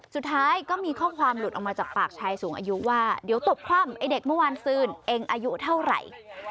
สุดท้ายก็มีข้อความหลุดออกมาจากปากชายสูงอายุว่าเดี๋ยวตบคว่ำไอ้เด็กเมื่อวานซื่นเองอายุเท่าไหร่